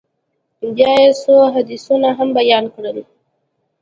بيا يې څو حديثونه هم بيان کړل.